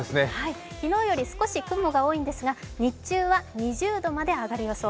昨日より少し雲が多いんですが日中は２０度まで上がる予想。